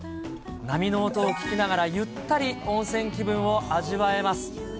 波の音を聞きながらゆったり温泉気分を味わえます。